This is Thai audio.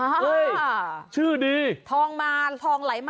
เฮ้ยชื่อดี